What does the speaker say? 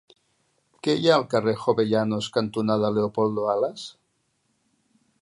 Què hi ha al carrer Jovellanos cantonada Leopoldo Alas?